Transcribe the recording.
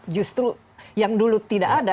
justru yang dulu tidak ada